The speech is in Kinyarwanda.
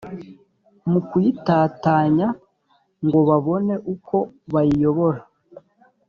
mu kuyitatanya ngo babone uko bayiyobora,